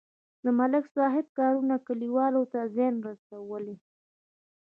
د ملک صاحب کارونو کلیوالو ته زیان رسولی.